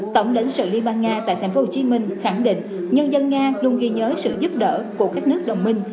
tổng lãnh sự liên bang nga tại tp hcm khẳng định nhân dân nga luôn ghi nhớ sự giúp đỡ của các nước đồng minh